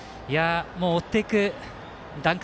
追っていく段階。